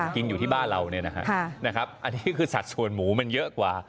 กินอยู่ที่บ้านเราเนี่ยนะฮะอันนี้คือสัดส่วนหมูมันเยอะกว่า